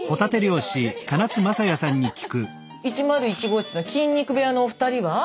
１０１号室の筋肉部屋のお二人は？